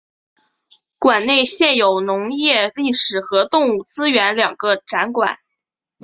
馆内现有农业历史和动物资源两个展馆。